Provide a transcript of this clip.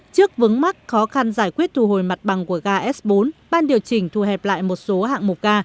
trước vướng mắc khó khăn giải quyết thu hồi mặt bằng của ga s bốn ban điều chỉnh thu hẹp lại một số hạng mục ga